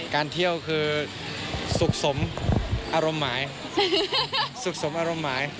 การเที่ยวคือสุขสมอารมณ์หมายสุขสมอารมณ์หมาย